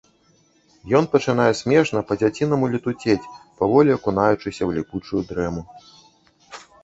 Ён пачынае смешна, па-дзяцінаму летуцець, паволі акунаючыся ў ліпучую дрэму.